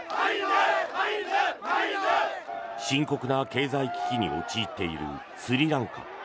深刻な経済危機に陥っているスリランカ。